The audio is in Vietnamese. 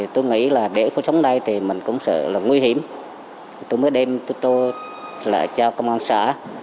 tôi nghĩ để khẩu sống đây mình cũng sợ là nguy hiểm tôi mới đem tôi trôi lại cho công an xã